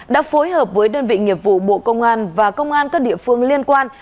đã phối hợp với đơn vị nghiệp vụ bộ công an và công an các địa phương liên quan